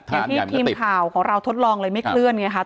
อย่างที่พิมพ์ของเราทดลองเลยไม่เคลื่อนไงครับ